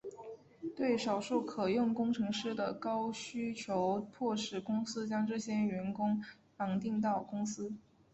对少数可用工程师的高需求迫使公司将这些员工绑定到公司。